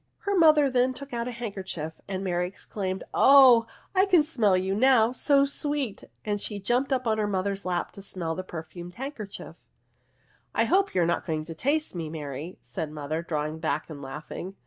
Her mother then took out her handker chief, and Mary exclaimed, " Oh ! I can smell you now so sweet !" and she jumped upon her mother's lap to smell the perfumed handkerchief. '' I hope you are not going to taste me, Mary," said her mother, drawing back, and laughing.